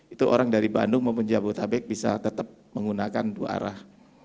itu orang dari bandung maupun jabodetabek bisa tetap menggunakan dua arah